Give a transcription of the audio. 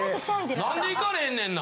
なんでいかれへんねんな。